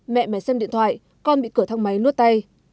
mẹ xem điện thoại con bị cửa thang máy nuốt tay